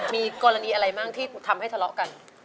มีกรณีอะไรบ้างที่ทำให้ทะเลาะกัน